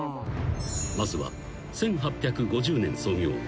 ［まずは１８５０年創業。